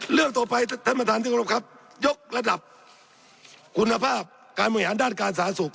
เรื่องต่อไปท่านประธานที่กรบครับยกระดับคุณภาพการบริหารด้านการสาธารณสุข